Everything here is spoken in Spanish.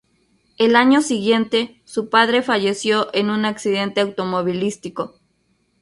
El año siguiente, su padre falleció en un accidente automovilístico.